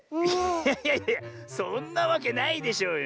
いやいやいやそんなわけないでしょうよ。